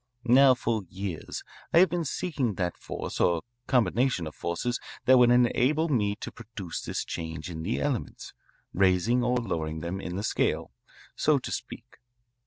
"Now for years I have been seeking that force or combination of forces that would enable me to produce this change in the elements raising or lowering them in the scale, so to speak.